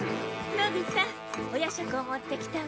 のび太お夜食を持ってきたわ。